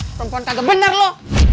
perempuan kagak bener lo